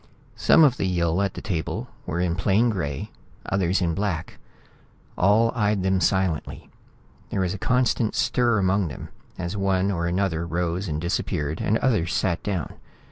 Some of the Yill at the table were in plain gray, others in black. All eyed them silently. There was a constant stir among them as one or another rose and disappeared and others sat down.